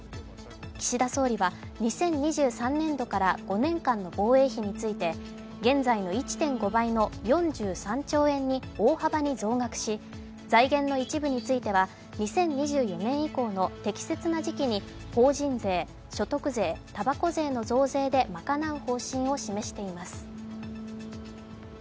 岸田総理は２０２３年度から５年間の防衛費について現在の１．５倍の４３兆円に大幅に増額し財源の一部については、２０２４年以降の適切な時期に法人税、所得税、たばこ税の増税で賄う方針を示しています。